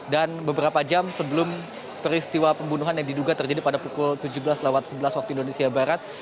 dan beberapa jam sebelum peristiwa pembunuhan yang diduga terjadi pada pukul tujuh belas sebelas waktu indonesia barat